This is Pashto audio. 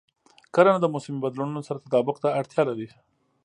کرنه د موسمي بدلونونو سره تطابق ته اړتیا لري.